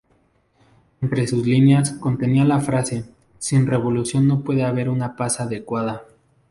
Entre sus líneas, contenía la frase "Sin revolución, no puede haber una paz adecuada".